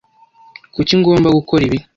Kuki ngomba gukora ibi?